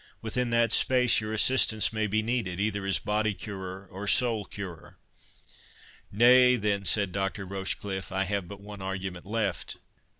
Within that space your assistance may be needed, either as body curer or soul curer." "Nay, then," said Dr. Rochecliffe, "I have but one argument left."